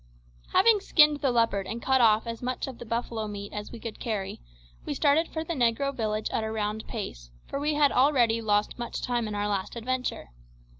Having skinned the leopard and cut off as much of the buffalo meat as we could carry, we started for the negro village at a round pace, for we had already lost much time in our last adventure.